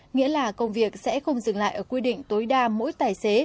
nghĩa là công việc sẽ không dừng lại ở quy định tối đa mỗi tài xế